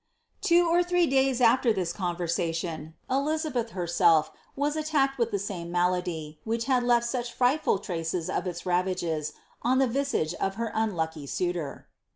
9r three days after this conversation, Elizabeth herself was with the same malady, which had left such frightful traces of m on the visage of her unlucky little suitor.